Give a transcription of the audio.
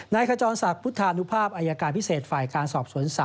ขจรศักดิ์พุทธานุภาพอายการพิเศษฝ่ายการสอบสวน๓